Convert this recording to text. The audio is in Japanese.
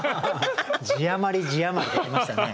字余り字余りで来ましたね。